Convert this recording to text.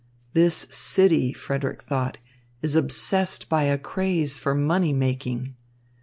"This city," Frederick thought, "is obsessed by a craze for money making."